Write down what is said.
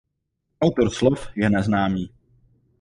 Autor slov je neznámý.